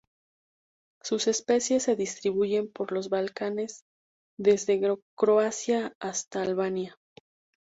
Sus especies se distribuyen por los Balcanes, desde Croacia hasta Albania.